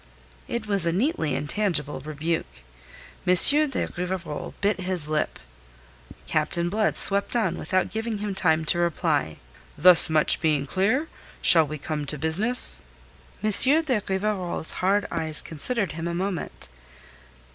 It was a neatly intangible rebuke. M. de Rivarol bit his lip. Captain Blood swept on without giving him time to reply: "Thus much being clear, shall we come to business?" M. de Rivarol's hard eyes considered him a moment.